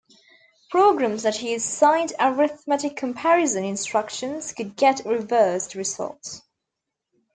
Programs that use signed arithmetic comparison instructions could get reversed results.